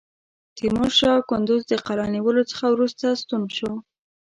تیمورشاه کندوز د قلا نیولو څخه وروسته ستون شو.